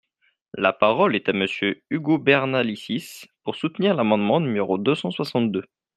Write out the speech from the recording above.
La parole est à Monsieur Ugo Bernalicis, pour soutenir l’amendement numéro deux cent soixante-deux.